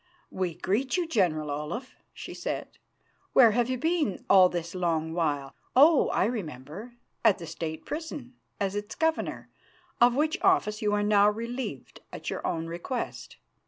"We greet you, General Olaf," she said. "Where have you been all this long while? Oh! I remember. At the State prison, as its governor, of which office you are now relieved at your own request.